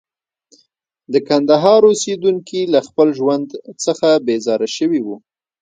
د کندهار اوسېدونکي له خپل ژوند څخه بېزاره شوي وو.